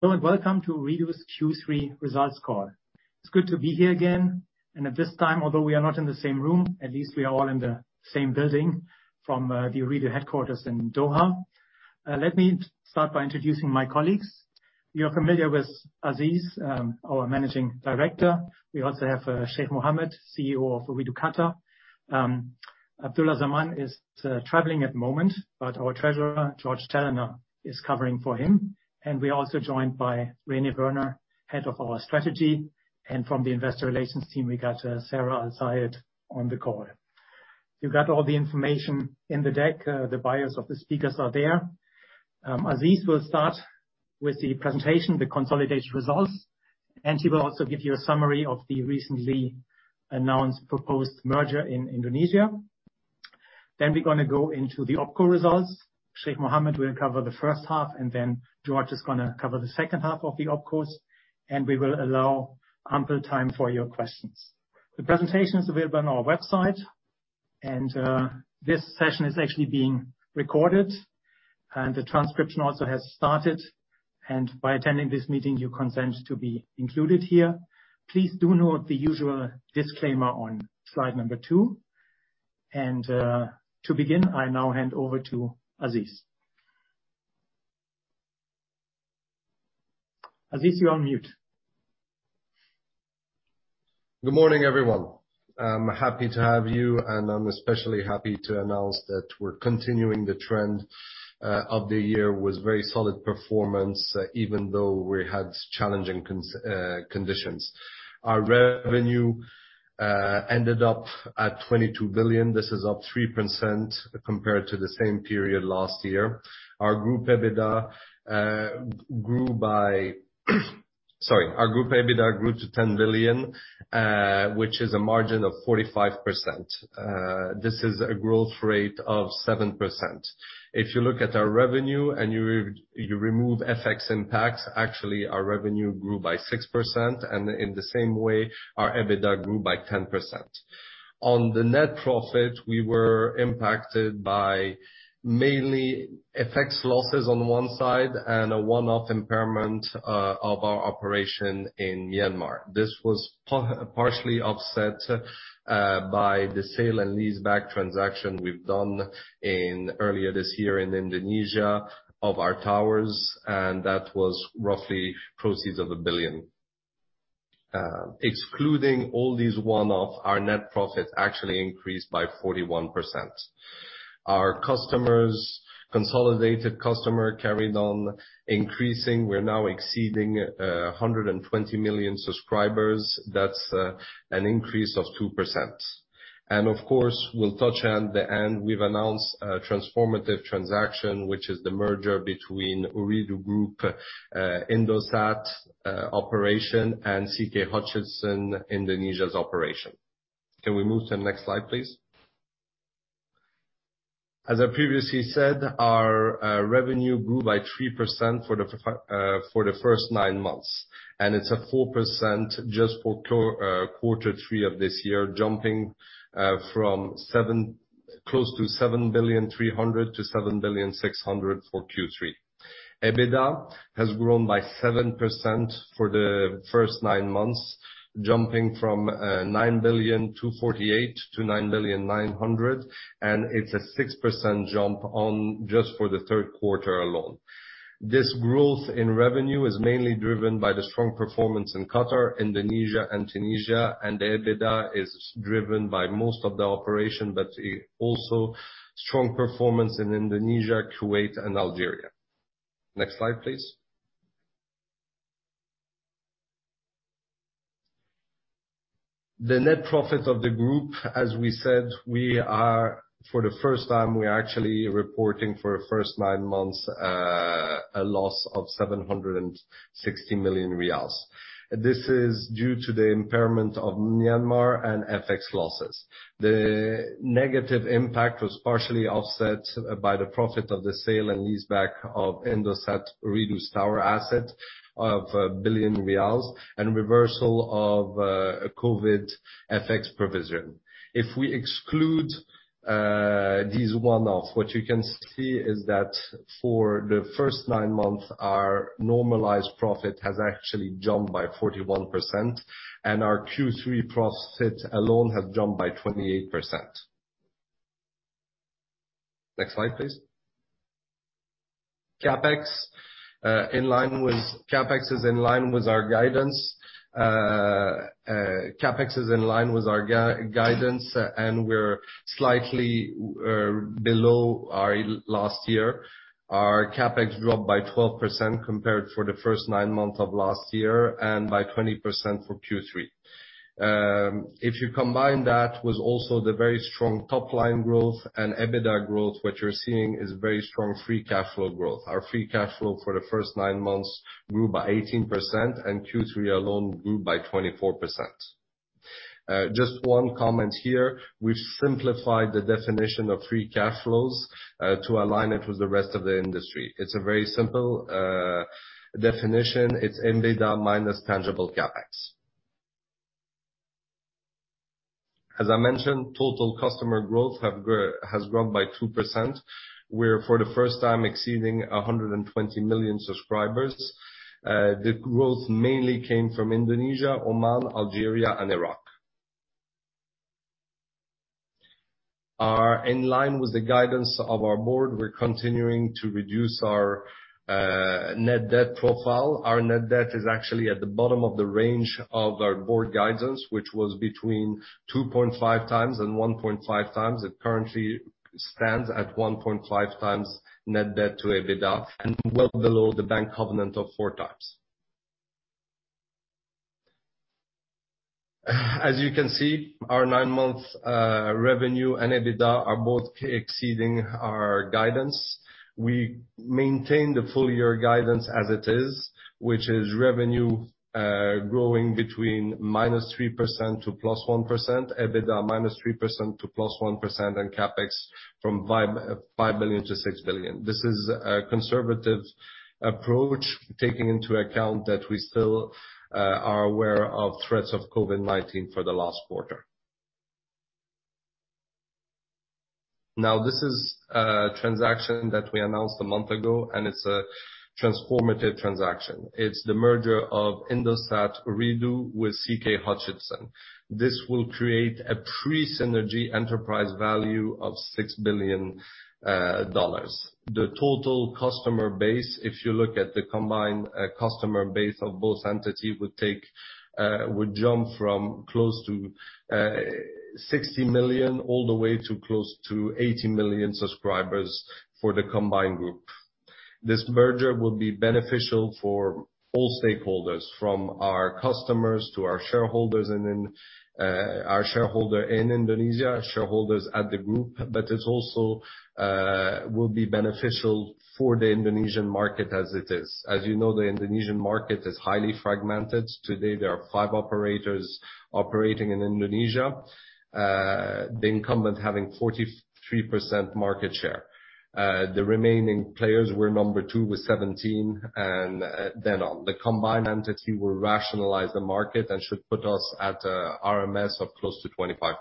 Hello, and welcome to Ooredoo's Q3 results call. It's good to be here again, and at this time, although we are not in the same room, at least we are all in the same building from the Ooredoo headquarters in Doha. Let me start by introducing my colleagues. You're familiar with Aziz, our Managing Director. We also have Sheikh Mohammed, CEO of Ooredoo Qatar. Abdullah Zaman is traveling at the moment, but our Treasurer, George Challenor, is covering for him. We're also joined by René Werner, head of our strategy. From the Investor Relations team, we got Sarah Al-Sayed on the call. You've got all the information in the deck. The bios of the speakers are there. Aziz will start with the presentation, the consolidated results, and he will also give you a summary of the recently announced proposed merger in Indonesia. We're gonna go into the OpCo results. Sheikh Mohammed will cover the first half, and then George is gonna cover the second half of the OpCos, and we will allow ample time for your questions. The presentation is available on our website. This session is actually being recorded, and the transcription also has started, and by attending this meeting, you consent to be included here. Please do note the usual disclaimer on slide number two. To begin, I now hand over to Aziz. Aziz, you're on mute. Good morning, everyone. I'm happy to have you, and I'm especially happy to announce that we're continuing the trend of the year with very solid performance, even though we had challenging conditions. Our revenue ended up at 22 billion. This is up 3% compared to the same period last year. Our group EBITDA grew to 10 billion, which is a margin of 45%. This is a growth rate of 7%. If you look at our revenue and you remove FX impacts, actually our revenue grew by 6%, and in the same way, our EBITDA grew by 10%. On the net profit, we were impacted by mainly FX losses on one side and a one-off impairment of our operation in Myanmar. This was partially offset by the sale and leaseback transaction we've done earlier this year in Indonesia of our towers, and that was roughly proceeds of 1 billion. Excluding all these one-off, our net profit actually increased by 41%. Our consolidated customers carried on increasing. We're now exceeding 120 million subscribers. That's an increase of 2%. Of course, we'll touch at the end, we've announced a transformative transaction, which is the merger between Ooredoo Group, Indosat operation, and CK Hutchison Indonesia's operation. Can we move to the next slide, please? As I previously said, our revenue grew by 3% for the first nine months, and it's 4% for quarter three of this year, jumping from seven... Close to 7.3 billion-7.6 billion for Q3. EBITDA has grown by 7% for the first nine months, jumping from 9.248 billion to 9.9 billion, and it's a 6% jump in just the third quarter alone. This growth in revenue is mainly driven by the strong performance in Qatar, Indonesia, and Tunisia, and the EBITDA is driven by most of the operation, but also strong performance in Indonesia, Kuwait, and Algeria. Next slide, please. The net profit of the group, as we said, we are for the first time actually reporting for the first nine months a loss of 760 million riyals. This is due to the impairment of Myanmar and FX losses. The negative impact was partially offset by the profit of the sale and leaseback of Indosat Ooredoo's tower asset of 1 billion riyals and reversal of a COVID FX provision. If we exclude these one-off, what you can see is that for the first nine months, our normalized profit has actually jumped by 41%, and our Q3 profit alone has jumped by 28%. Next slide, please. CapEx is in line with our guidance, and we're slightly below our last year. Our CapEx dropped by 12% compared to the first nine months of last year and by 20% for Q3. If you combine that with also the very strong top-line growth and EBITDA growth, what you're seeing is very strong free cash flow growth. Our free cash flow for the first nine months grew by 18%, and Q3 alone grew by 24%. Just one comment here. We've simplified the definition of free cash flows to align it with the rest of the industry. It's a very simple definition. It's EBITDA minus tangible CapEx. As I mentioned, total customer growth has grown by 2%. We're for the first time exceeding 120 million subscribers. The growth mainly came from Indonesia, Oman, Algeria, and Iraq. In line with the guidance of our board, we're continuing to reduce our net debt profile. Our net debt is actually at the bottom of the range of our board guidance, which was between 2.5 times and 1.5 times. It currently stands at 1.5x net debt to EBITDA and well below the bank covenant of 4x. As you can see, our nine-month revenue and EBITDA are both exceeding our guidance. We maintain the full year guidance as it is. Which is revenue growing between -3% to +1%, EBITDA -3% to +1%, and CapEx from 5 billion to 6 billion. This is a conservative approach, taking into account that we still are aware of threats of COVID-19 for the last quarter. Now, this is a transaction that we announced a month ago, and it's a transformative transaction. It's the merger of Indosat Ooredoo with CK Hutchison. This will create a pre-synergy enterprise value of $6 billion. The total customer base, if you look at the combined customer base of both entity, would jump from close to 60 million all the way to close to 80 million subscribers for the combined group. This merger will be beneficial for all stakeholders, from our customers to our shareholders and then our shareholder in Indonesia, shareholders at the group. It will also be beneficial for the Indonesian market as it is. As you know, the Indonesian market is highly fragmented. Today, there are five operators operating in Indonesia, the incumbent having 43% market share. The remaining players number two with 17% and then on. The combined entity will rationalize the market and should put us at a RMS of close to 25%.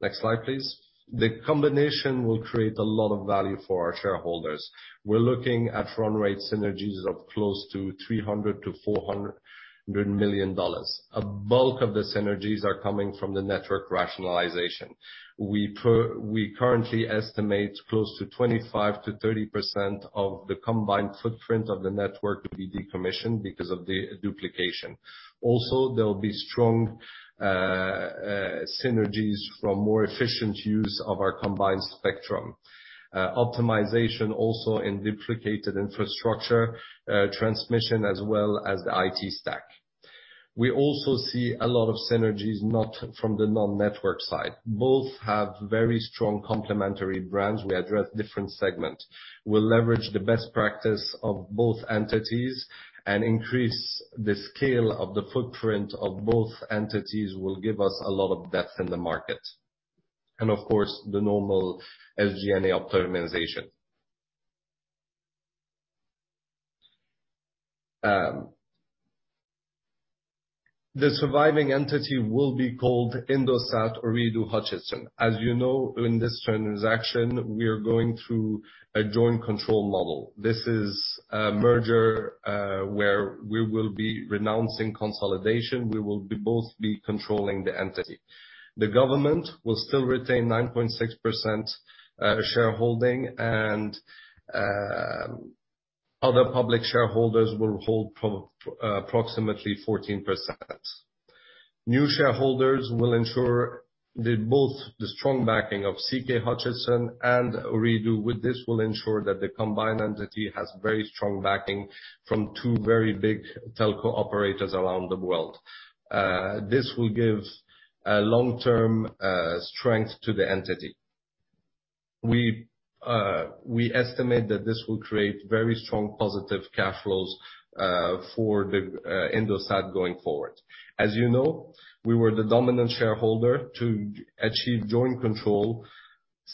Next slide, please. The combination will create a lot of value for our shareholders. We're looking at run rate synergies of close to $300 million-$400 million. A bulk of the synergies are coming from the network rationalization. We currently estimate close to 25%-30% of the combined footprint of the network to be decommissioned because of the duplication. Also, there'll be strong synergies from more efficient use of our combined spectrum, optimization also in duplicated infrastructure, transmission, as well as the IT stack. We also see a lot of synergies from the non-network side. Both have very strong complementary brands. We address different segments. We'll leverage the best practices of both entities, and the increase in the scale of the footprint of both entities will give us a lot of depth in the market. Of course, the normal SG&A optimization. The surviving entity will be called Indosat Ooredoo Hutchison. As you know, in this transaction, we are going through a joint control model. This is a merger where we will be renouncing consolidation. We will both be controlling the entity. The government will still retain 9.6% shareholding, and other public shareholders will hold approximately 14%. New shareholders will ensure both the strong backing of CK Hutchison and Ooredoo, which will ensure that the combined entity has very strong backing from two very big telco operators around the world. This will give a long-term strength to the entity. We estimate that this will create very strong positive cash flows for Indosat going forward. As you know, we were the dominant shareholder to achieve joint control.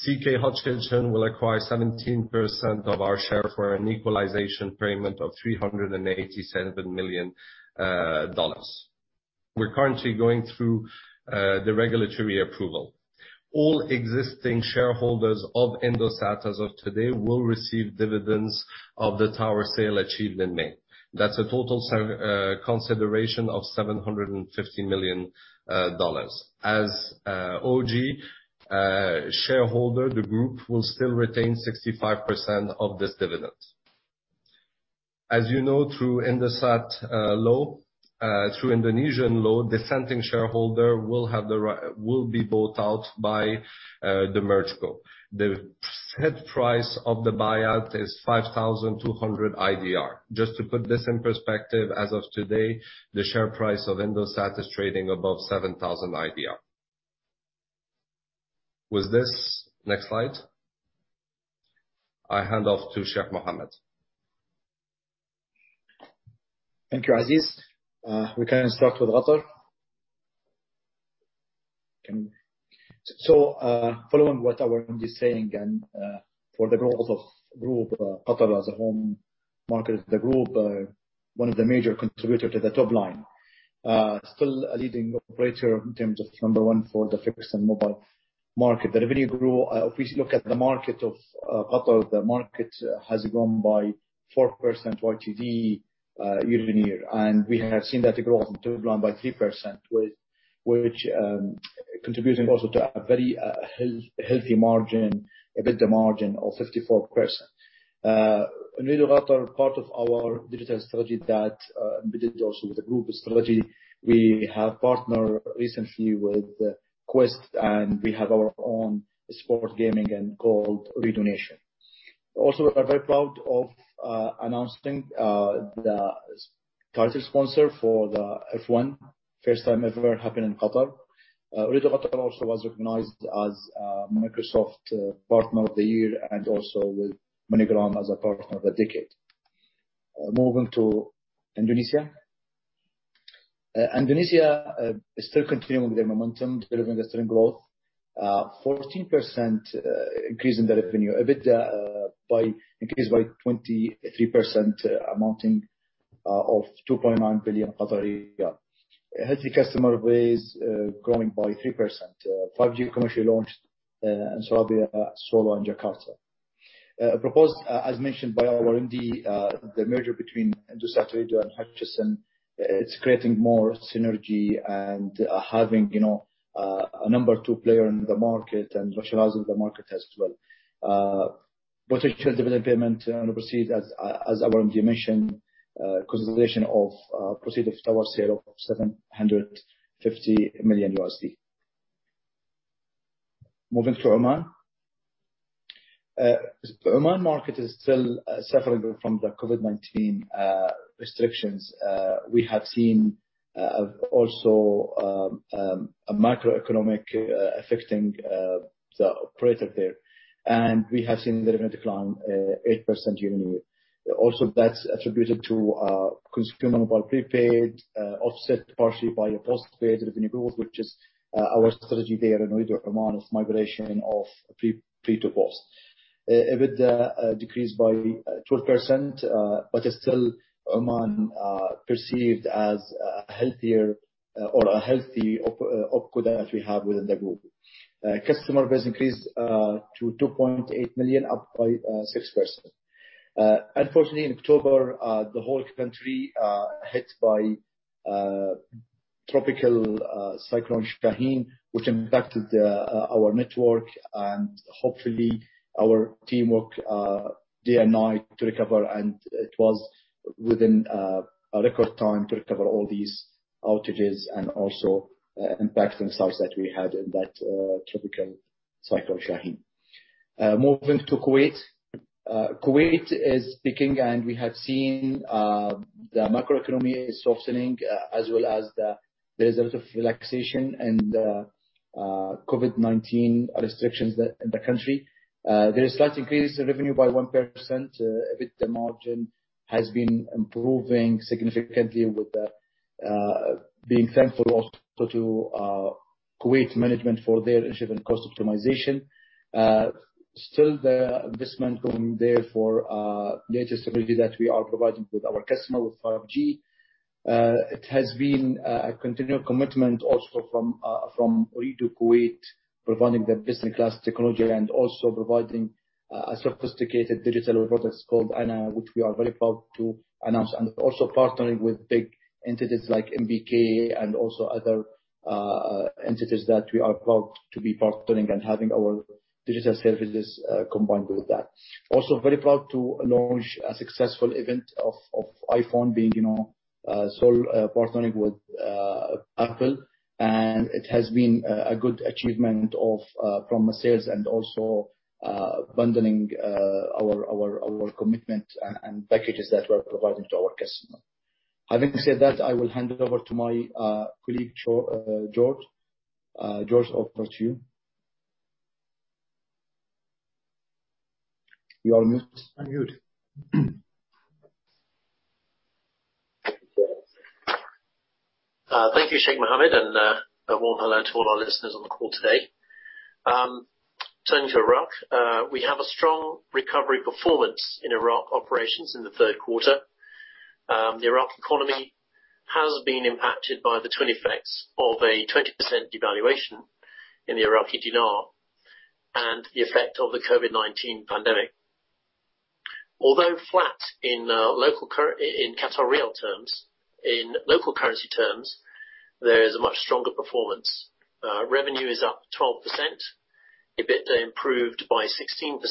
CK Hutchison will acquire 17% of our share for an equalization payment of $387 million. We're currently going through the regulatory approval. All existing shareholders of Indosat as of today will receive dividends of the tower sale achieved in May. That's a total consideration of $750 million. As OG shareholder, the group will still retain 65% of this dividend. As you know, through Indonesian law, dissenting shareholder will be bought out by the MergeCo. The set price of the buyout is 5,200 IDR. Just to put this in perspective, as of today, the share price of Indosat is trading above 7,000 IDR. With this next slide, I hand off to Sheikh Mohammed. Thank you, Aziz. We can start with Qatar. Following what our MD is saying and for the growth of group, Qatar as a home market, the group one of the major contributor to the top line. Still a leading operator in terms of number one for the fixed and mobile market. The revenue grew, if we look at the market of Qatar, the market has grown by 4% YTD year-on-year, and we have seen that growth to have grown by 3% with which contributing also to a very healthy margin, EBITDA margin of 54%. Ooredoo Qatar, part of our digital strategy that embedded also with the group strategy, we have partnered recently with Quest, and we have our own sports gaming and called Oo redoo Nation. We are very proud of announcing the title sponsor for the F1. First time ever happened in Qatar. Ooredoo Qatar also was recognized as Microsoft Partner of the Year and also with MoneyGram as a Partner of the Decade. Moving to Indonesia. Indonesia is still continuing their momentum, delivering a strong growth. 14% increase in the revenue. EBITDA increase by 23%, amounting to 2.9 billion. Healthy customer base growing by 3%. 5G commercially launched in Surabaya, Solo, and Jakarta. Proposed, as mentioned by our MD, the merger between Indosat Ooredoo and Hutchison, it's creating more synergy and having, you know, a number two player in the market and rationalizing the market as well. Potential dividend payment and proceeds, as our MD mentioned, consolidation of proceeds of tower sale of $750 million. Moving to Oman. Oman market is still suffering from the COVID-19 restrictions. We have seen also a macroeconomic affecting the operator there. We have seen the revenue decline 8% y ear-on-year. Also, that's attributed to consumer mobile prepaid offset partially by a postpaid revenue growth, which is our strategy there in Ooredoo Oman, is migration of pre to post. EBITDA decreased by 12%, but still Oman perceived as a healthier or a healthy OpCo that we have within the group. Customer base increased to 2.8 million, up by 6%. Unfortunately, in October, the whole country hit by tropical Cyclone Shaheen, which impacted our network and our teams worked day and night to recover. It was within a record time to recover all these outages and also impact on sites that we had in that tropical Cyclone Shaheen. Moving to Kuwait. Kuwait is picking up and we have seen the macroeconomy is softening as well as there is a lot of relaxation in the COVID-19 restrictions in the country. There is a slight increase in revenue by 1%. EBITDA margin has been improving significantly with being thankful also to Kuwait management for their initiative in cost optimization. Still the investment going there for latest technology that we are providing to our customers with 5G. It has been a continual commitment also from Ooredoo Kuwait, providing the business class technology and also providing a sophisticated digital products called ANA, which we are very proud to announce and also partnering with big entities like NBK and also other entities that we are proud to be partnering and having our digital services combined with that. Also very proud to launch a successful event of iPhone being, you know, sole partnering with Apple. It has been a good achievement of from a sales and also bundling our our commitment and packages that we're providing to our customer. Having said that, I will hand it over to my colleague, George. George, over to you. You are on mute. Thank you, Sheikh Mohammed, and a warm hello to all our listeners on the call today. Turning to Iraq, we have a strong recovery performance in Iraq operations in the third quarter. The Iraq economy has been impacted by the twin effects of a 20% devaluation in the Iraqi dinar and the effect of the COVID-19 pandemic. Although flat in Qatari riyal terms, in local currency terms, there is a much stronger performance. Revenue is up 12%. EBITDA improved by 16%,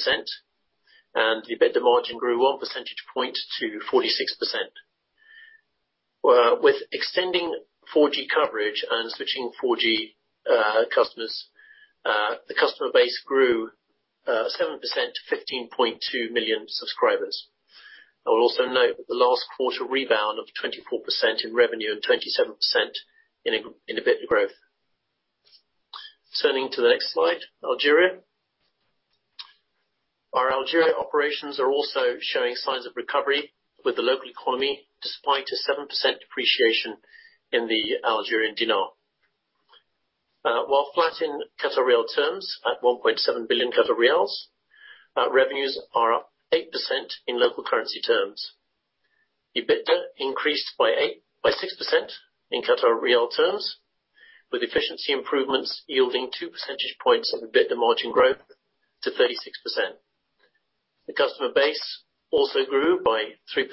and the EBITDA margin grew one percentage point to 46%. With extending 4G coverage and switching 4G customers, the customer base grew 7% to 15.2 million subscribers. I will also note that the last quarter rebound of 24% in revenue and 27% in EBITDA growth. Turning to the next slide, Algeria. Our Algeria operations are also showing signs of recovery with the local economy, despite a 7% depreciation in the Algerian dinar. While flat in QAR terms at 1.7 billion, revenues are up 8% in local currency terms. EBITDA increased by 6% in QAR terms, with efficiency improvements yielding two percentage points of EBITDA margin growth to 36%. The customer base also grew by 3%.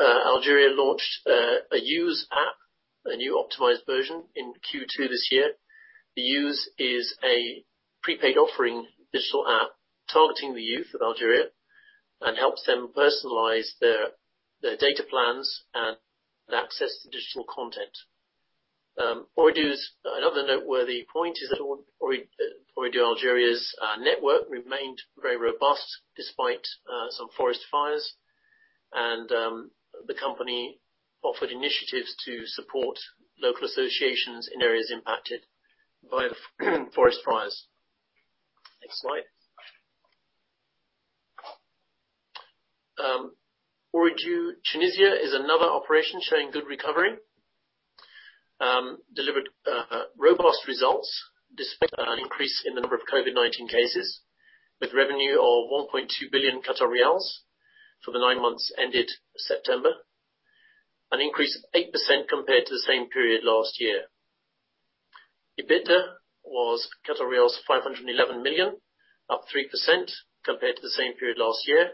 Algeria launched a YOOZ app, a new optimized version in Q2 this year. The YOOZ is a prepaid offering digital app targeting the youth of Algeria, and helps them personalize their data plans and access to digital content. Ooredoo's another noteworthy point is that Ooredoo Algeria's network remained very robust despite some forest fires. The company offered initiatives to support local associations in areas impacted by forest fires. Next slide. Ooredoo Tunisia is another operation showing good recovery, delivered robust results despite an increase in the number of COVID-19 cases, with revenue of 1.2 billion riyals for the nine months ended September, an increase of 8% compared to the same period last year. EBITDA was 511 million, up 3% compared to the same period last year.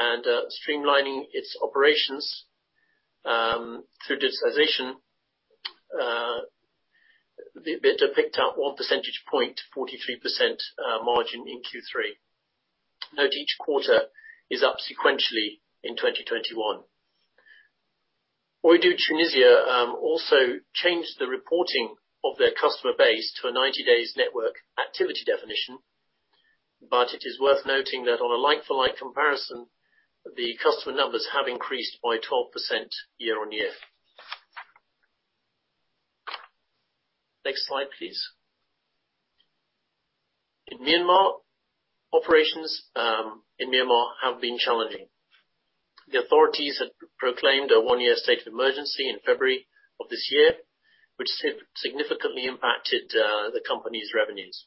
Streamlining its operations through digitization, the EBITDA picked up one percentage point to 43% margin in Q3. Note, each quarter is up sequentially in 2021. Ooredoo Tunisia also changed the reporting of their customer base to a 90 days network activity definition, but it is worth noting that on a like-for-like comparison, the customer numbers have increased by 12% year-on-year. Next slide, please. In Myanmar operations have been challenging. The authorities had proclaimed a one-year state of emergency in February of this year, which significantly impacted the company's revenues.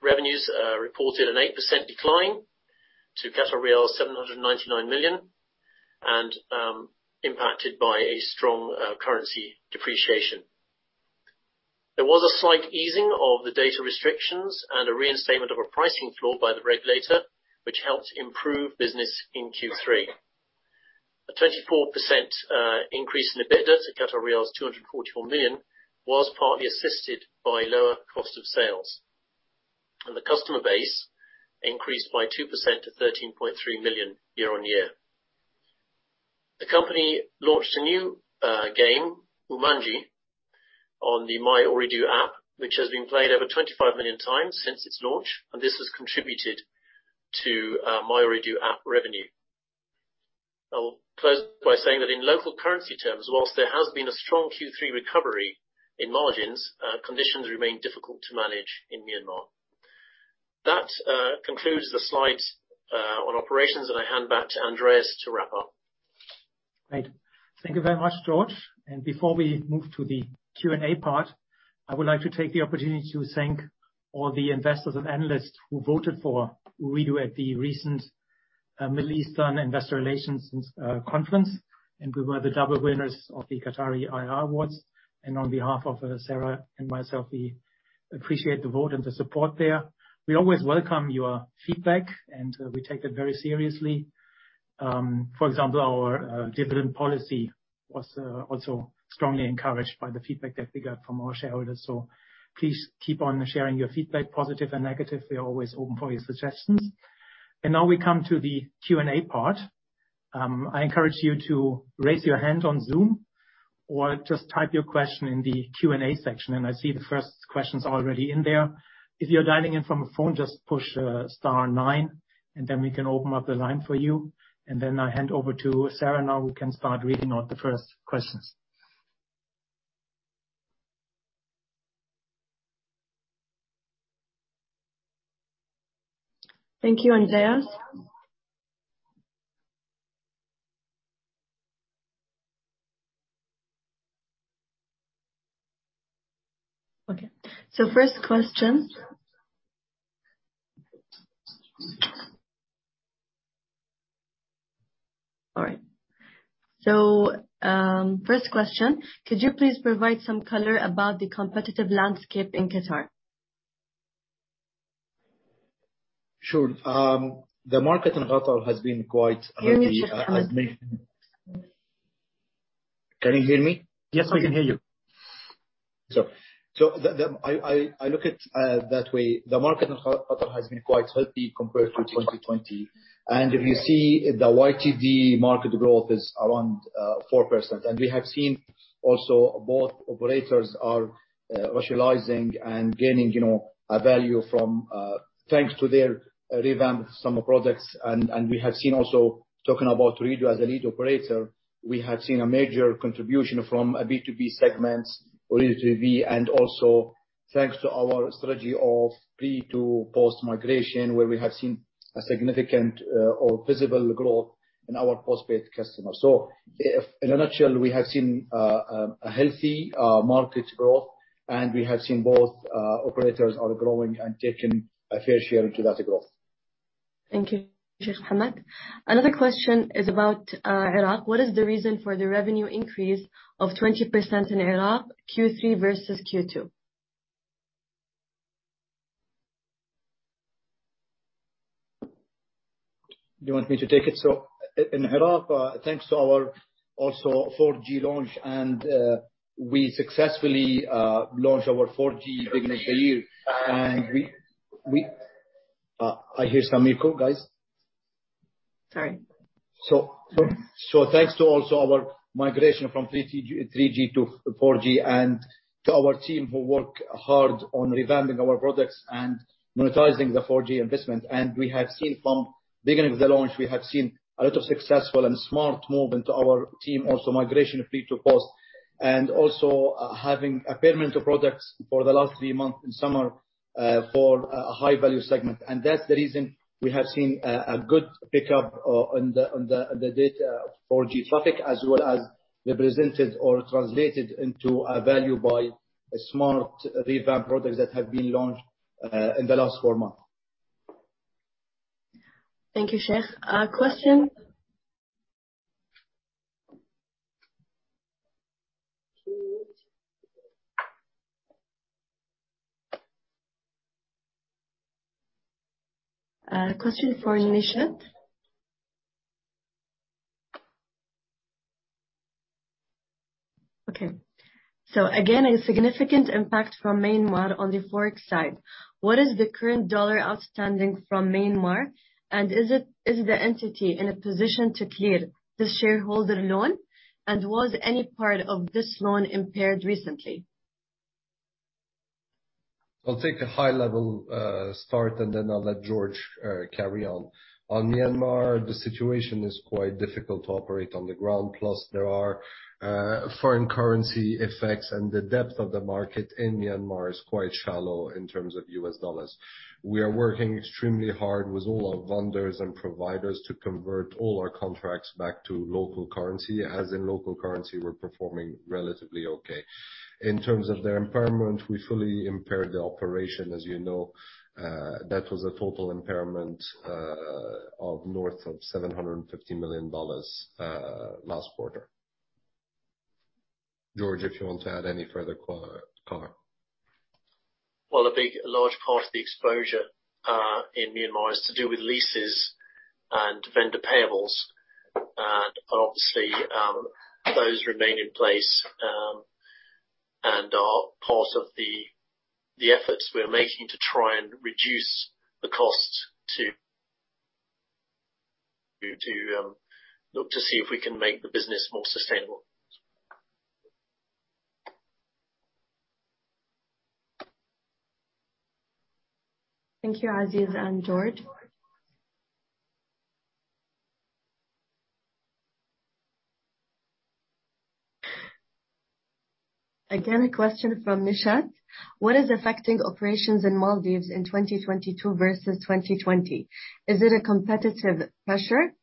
Revenues reported an 8% decline to 799 million, impacted by a strong currency depreciation. There was a slight easing of the data restrictions and a reinstatement of a pricing floor by the regulator, which helped improve business in Q3. A 24% increase in EBITDA to 244 million was partly assisted by lower cost of sales. The customer base increased by 2% to 13.3 million year-on-year. The company launched a new game, Umangi, on the My Ooredoo app, which has been played over 25 million times since its launch, and this has contributed to My Ooredoo app revenue. I will close by saying that in local currency terms, while there has been a strong Q3 recovery in margins, conditions remain difficult to manage in Myanmar. That concludes the slides on operations, and I hand back to Andreas to wrap up. Great. Thank you very much, George. Before we move to the Q&A part, I would like to take the opportunity to thank all the investors and analysts who voted for Ooredoo at the recent Middle Eastern Investor Relations Conference. We were the double winners of the Qatari IR Awards. On behalf of Sarah and myself, we appreciate the vote and the support there. We always welcome your feedback, and we take that very seriously. For example, our dividend policy was also strongly encouraged by the feedback that we got from our shareholders. Please keep on sharing your feedback, positive and negative. We are always open for your suggestions. Now we come to the Q&A part. I encourage you to raise your hand on Zoom or just type your question in the Q&A section, and I see the first questions already in there. If you're dialing in from a phone, just push star nine, and then we can open up the line for you. I hand over to Sarah now, who can start reading out the first questions. Thank you, Andreas. First question: Could you please provide some color about the competitive landscape in Qatar? Sure. The market in Qatar has been quite. Can you hear me? Yes, we can hear you. I look at that way. The market in Qatar has been quite healthy compared to 2020. If you see the YTD market growth is around 4%. We have seen also both operators are rationalizing and gaining, you know, a value from, thanks to their revamped summer products and we have seen also talking about Ooredoo as a leading operator. We have seen a major contribution from a B2B segments, or B2B, and also thanks to our strategy of pre to post migration, where we have seen a significant or visible growth in our postpaid customers. If in a nutshell, we have seen a healthy market growth, and we have seen both operators are growing and taking a fair share into that growth. Thank you, Sheikh Mohammed. Another question is about Iraq. What is the reason for the revenue increase of 20% in Iraq, Q3 versus Q2? Do you want me to take it? In Iraq, thanks to our also 4G launch and, we successfully launched our 4G beginning of the year. I hear some echo, guys. Sorry. Thanks to also our migration from 3G to 4G and to our team who work hard on revamping our products and monetizing the 4G investment. We have seen from beginning of the launch a lot of successful and smart movement to our team. Also migration from prepaid to postpaid and also having a portfolio of products for the last three months in summer for a high value segment. That's the reason we have seen a good pickup on the data 4G traffic, as well as represented or translated into a value by a smart revamp products that have been launched in the last four months. Thank you, Sheikh. Question for Nishat. Okay. Again, a significant impact from Myanmar on the Forex side. What is the current dollar outstanding from Myanmar? And is the entity in a position to clear the shareholder loan? And was any part of this loan impaired recently? I'll take a high level start, and then I'll let George carry on. On Myanmar, the situation is quite difficult to operate on the ground. Plus, there are foreign currency effects, and the depth of the market in Myanmar is quite shallow in terms of US dollars. We are working extremely hard with all our vendors and providers to convert all our contracts back to local currency. As in local currency, we're performing relatively okay. In terms of their impairment, we fully impaired the operation, as you know. That was a total impairment of north of $750 million last quarter. George, if you want to add any further color. Well, a big large part of the exposure in Myanmar is to do with leases and vendor payables. Obviously, those remain in place and are part of the efforts we are making to try and reduce the costs to look to see if we can make the business more sustainable. Thank you, Aziz and George. Again, a question from Nishat. What is affecting operations in Maldives in 2022 versus 2020? Is it a competitive pressure?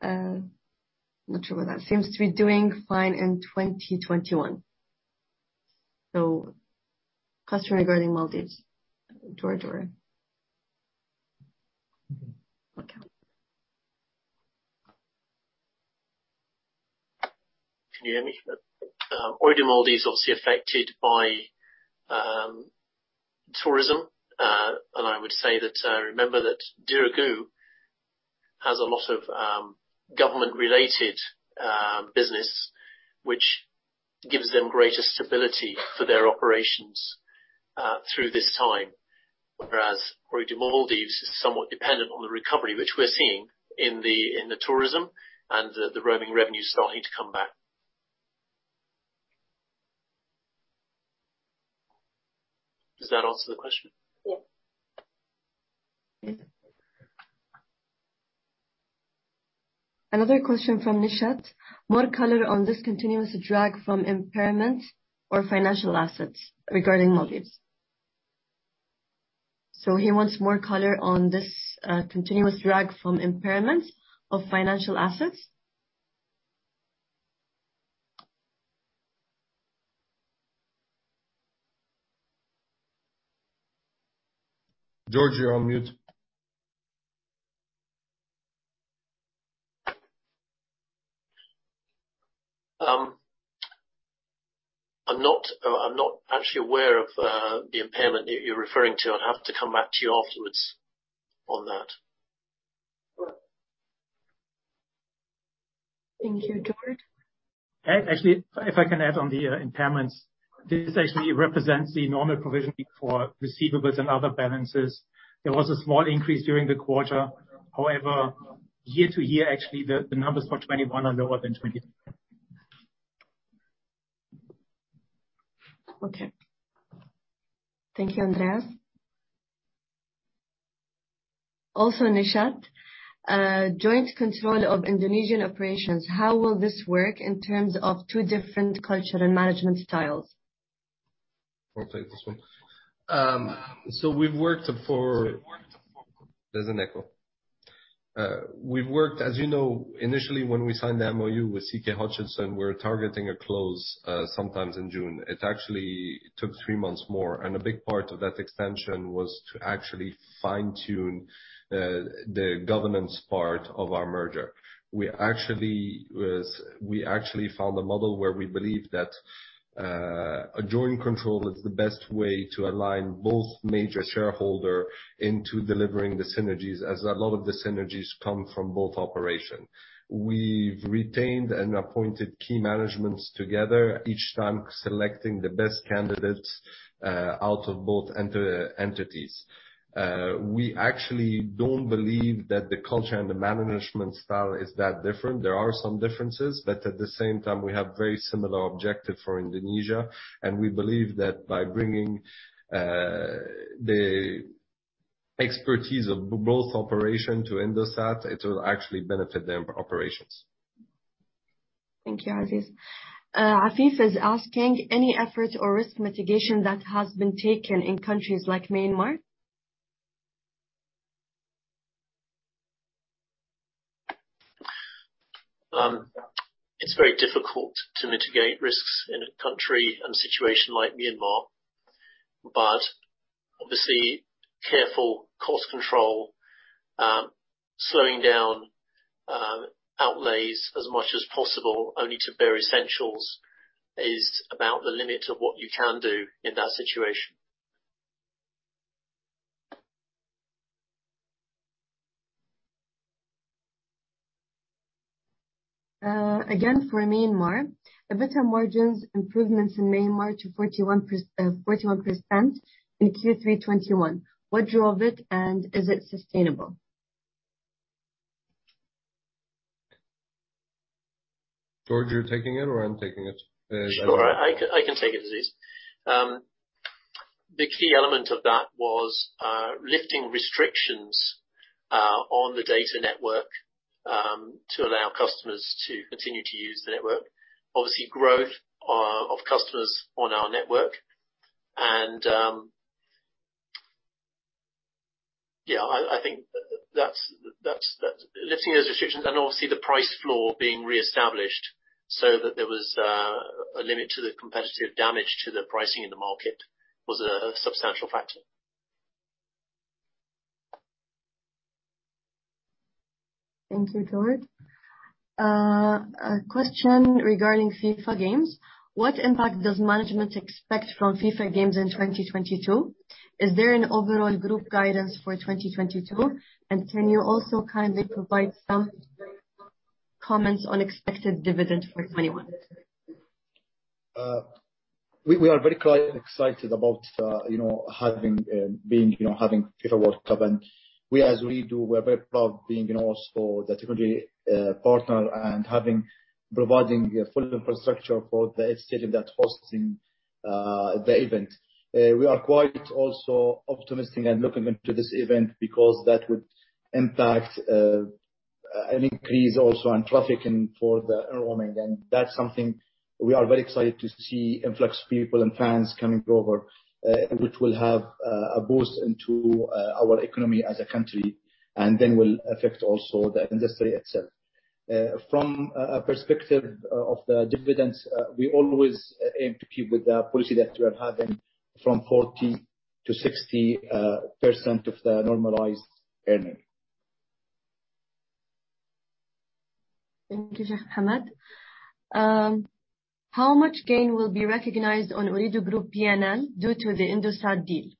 I'm not sure what that seems to be doing fine in 2021. Question regarding Maldives. George. Okay. Can you hear me? Ooredoo Maldives is obviously affected by tourism. I would say that remember that Dhiraagu has a lot of government-related business which gives them greater stability for their operations through this time. Whereas Ooredoo Maldives is somewhat dependent on the recovery, which we're seeing in the tourism and the roaming revenue starting to come back. Does that answer the question? Yes. Another question from Nishat. More color on this continuous drag from impairment of financial assets regarding Maldives. He wants more color on this continuous drag from impairment of financial assets. George, you're on mute. I'm not actually aware of the impairment you're referring to. I'd have to come back to you afterwards on that. Thank you, George. Actually, if I can add on the impairments, this actually represents the normal provision for receivables and other balances. There was a small increase during the quarter. However, year-to-year, actually, the numbers for 2021 are lower than 2022. Okay. Thank you, Andreas. Also Nishat, joint control of Indonesian operations. How will this work in terms of two different culture and management styles? I'll take this one. We've worked, as you know, initially when we signed the MOU with CK Hutchison, we were targeting a close, sometime in June. It actually took three months more, and a big part of that extension was to actually fine-tune the governance part of our merger. We actually found a model where we believe that a joint control is the best way to align both major shareholders into delivering the synergies, as a lot of the synergies come from both operations. We've retained and appointed key managements together, each time selecting the best candidates out of both entities. We actually don't believe that the culture and the management style is that different. There are some differences, but at the same time, we have very similar objective for Indonesia, and we believe that by bringing the expertise of both operations to Indosat, it will actually benefit their operations. Thank you, Aziz. Afif is asking any efforts or risk mitigation that has been taken in countries like Myanmar? It's very difficult to mitigate risks in a country and situation like Myanmar, but obviously careful cost control, slowing down, outlays as much as possible only to bare essentials is about the limit of what you can do in that situation. Again, for Myanmar, EBITDA margins improvements in Myanmar to 41% in Q3 2021. What drove it, and is it sustainable? George, you're taking it or I'm taking it? Sure. I can take it, Aziz. The key element of that was lifting restrictions on the data network to allow customers to continue to use the network. Obviously growth of customers on our network and. Yeah, I think that's lifting those restrictions and obviously the price floor being reestablished so that there was a limit to the competitive damage to the pricing in the market was a substantial factor. Thank you, George. A question regarding FIFA games. What impact does management expect from FIFA games in 2022? Is there an overall group guidance for 2022? Can you also kindly provide some comments on expected dividend for 2021? We are very excited about, you know, having FIFA World Cup. We as Ooredoo, we're very proud being also the technology partner and providing a full infrastructure for the stadium that's hosting the event. We are quite optimistic and looking into this event because that would impact an increase on traffic and for the roaming, and that's something we are very excited to see influx people and fans coming over, which will have a boost into our economy as a country and then will affect also the industry itself. From a perspective of the dividends, we always aim to keep with the policy that we are having from 40%-60% of the normalized earning. Thank you, Sheikh Hamad. How much gain will be recognized on Ooredoo Group P&L due to the Indosat deal?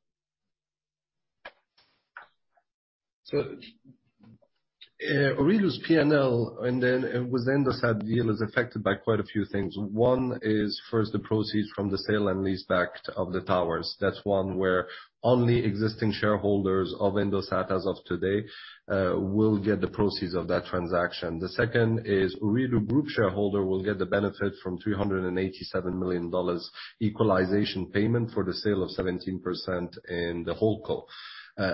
Ooredoo's P&L and then with Indosat deal is affected by quite a few things. One is first the proceeds from the sale and leaseback of the towers. That's one where only existing shareholders of Indosat as of today will get the proceeds of that transaction. The second is Ooredoo Group shareholder will get the benefit from $387 million equalization payment for the sale of 17% in the HoldCo.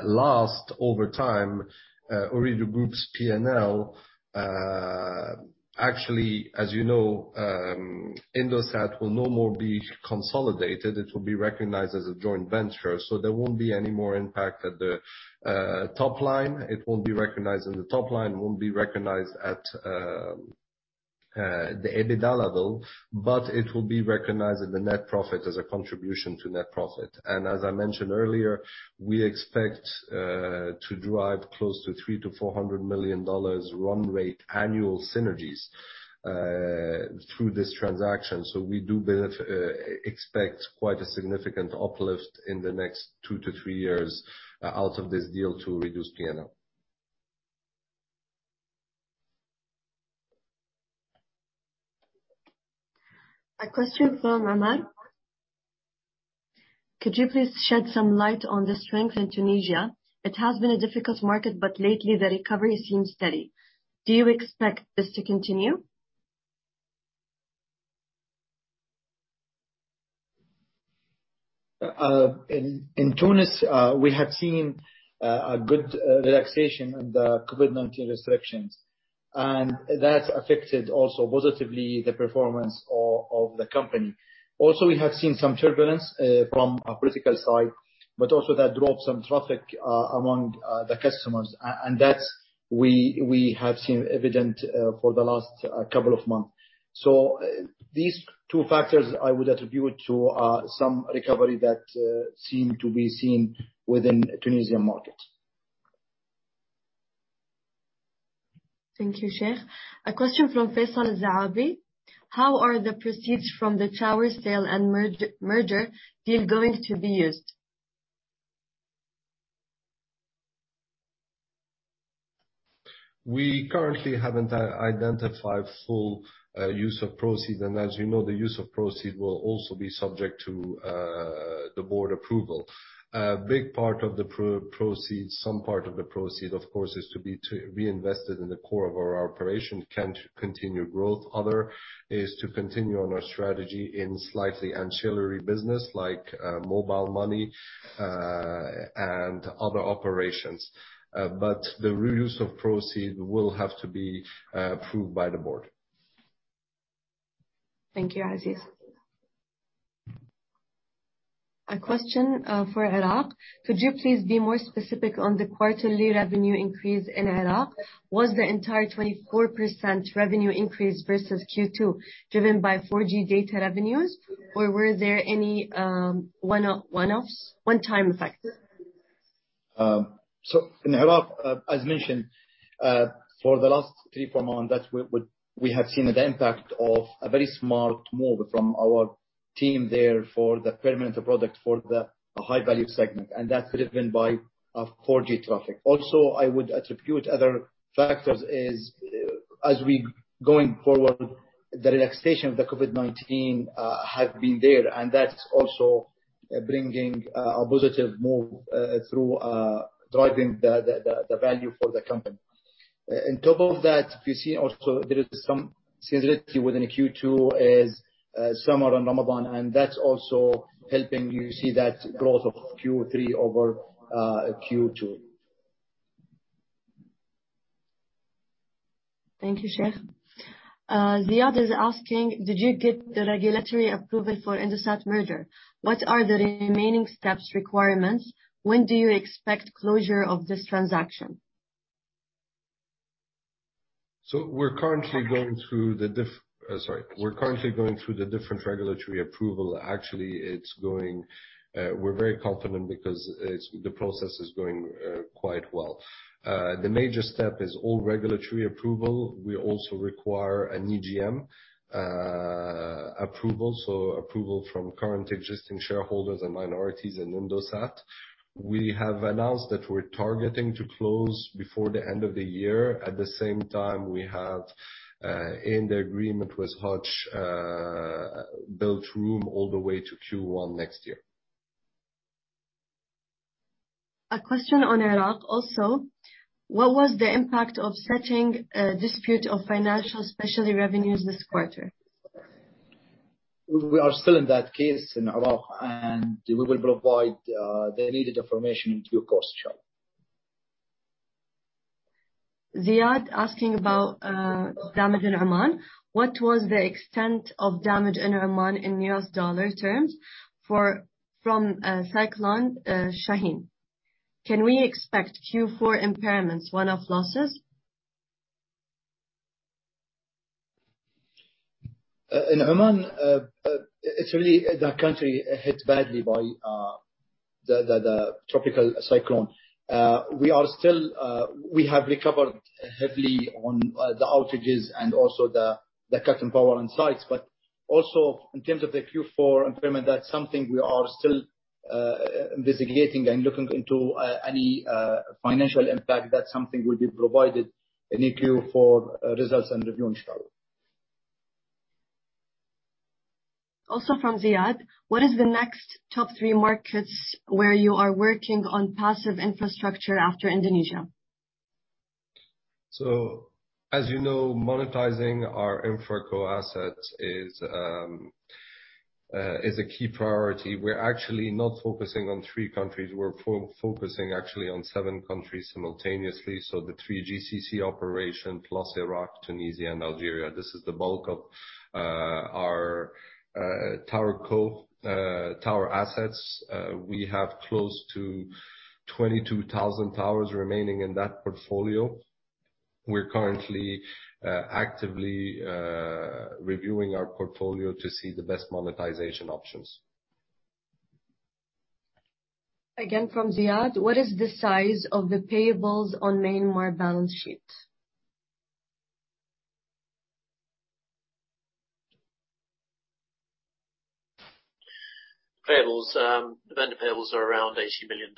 Last, over time, Ooredoo Group's P&L, actually, as you know, Indosat will no more be consolidated. It will be recognized as a joint venture. There won't be any more impact at the top line. It won't be recognized in the top line, won't be recognized at the EBITDA level, but it will be recognized in the net profit as a contribution to net profit. As I mentioned earlier, we expect to drive close to $300 million-$400 million run rate annual synergies through this transaction. We expect quite a significant uplift in the next two to 3 years out of this deal to Ooredoo's P&L. A question from Raman. Could you please shed some light on the strength in Tunisia? It has been a difficult market, but lately the recovery seems steady. Do you expect this to continue? In Tunis, we have seen a good relaxation of the COVID-19 restrictions, and that's affected also positively the performance of the company. Also, we have seen some turbulence from a political side, but also that dropped some traffic among the customers. And that's what we have seen evident for the last couple of months. These two factors, I would attribute to some recovery that seem to be seen within Tunisian markets. Thank you, Sheikh. A question from Faisal Al Zaabi. How are the proceeds from the tower sale and merger deal going to be used? We currently haven't identified full use of proceeds. As you know, the use of proceeds will also be subject to the board approval. A big part of the proceeds, some part of the proceeds, of course, is to be invested in the core of our operations continued growth. Other is to continue on our strategy in slightly ancillary business like mobile money and other operations. The reuse of proceeds will have to be approved by the board. Thank you, Aziz. A question for Iraq. Could you please be more specific on the quarterly revenue increase in Iraq? Was the entire 24% revenue increase versus Q2 driven by 4G data revenues, or were there any one-offs, one-time factors? In Iraq, as mentioned, for the last three-four months, that's where we have seen the impact of a very smart move from our team there for the premium product for the high value segment, and that's driven by 4G traffic. Also, I would attribute other factors is, as we going forward, the relaxation of the COVID-19 have been there, and that's also bringing a positive move through driving the value for the company. On top of that, we see also there is some seasonality within Q2 as summer and Ramadan, and that's also helping you see that growth of Q3 over Q2. Thank you, Sheikh. Ziad is asking, did you get the regulatory approval for Indosat merger? What are the remaining steps requirements? When do you expect closure of this transaction? We're currently going through the different regulatory approval. Actually, it's going quite well. We're very confident because the process is going quite well. The major step is all regulatory approval. We also require an EGM approval, so approval from current existing shareholders and minorities in Indosat. We have announced that we're targeting to close before the end of the year. At the same time, we have in the agreement with Hutch built room all the way to Q1 next year. A question on Iraq also. What was the impact of settling a financial dispute, especially on revenues this quarter? We are still in that case in Iraq, and we will provide the needed information through course channel. Ziad asking about damage in Oman. What was the extent of damage in Oman in U.S. dollar terms from Cyclone Shaheen? Can we expect Q4 impairments one-off losses? In Oman, it's really the country hit badly by the tropical cyclone. We have recovered heavily on the outages and also the cut in power and sites, but also in terms of the Q4 impairment, that's something we are still investigating and looking into any financial impact. That's something will be provided in Q4 results and review inshallah. Also from Ziad, what is the next top three markets where you are working on passive infrastructure after Indonesia? As you know, monetizing our InfraCo assets is a key priority. We're actually not focusing on three countries. We're focusing actually on seven countries simultaneously, the three GCC operations plus Iraq, Tunisia and Algeria. This is the bulk of our TowerCo tower assets. We have close to 22,000 towers remaining in that portfolio. We're currently actively reviewing our portfolio to see the best monetization options. Again, from Ziad, what is the size of the payables on Myanmar balance sheet? Payables. The vendor payables are around $80 million.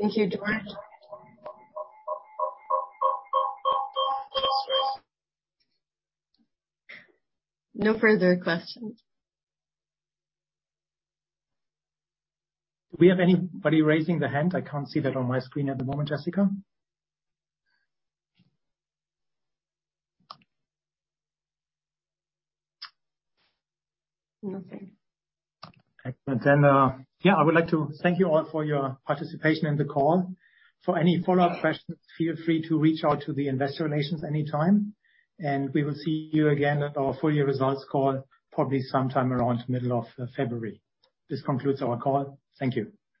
Thank you, George. No further questions. Do we have anybody raising their hand? I can't see that on my screen at the moment, Jessica. Nothing. I would like to thank you all for your participation in the call. For any follow-up questions, feel free to reach out to the Investor Relations anytime, and we will see you again at our full-year results call probably sometime around middle of February. This concludes our call. Thank you.